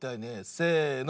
せの。